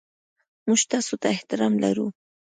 موږ تاسو ته احترام لرو.